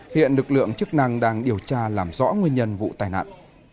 hiện lực lượng chức năng đang điều tra làm rõ nguyên nhân vụ tai nạn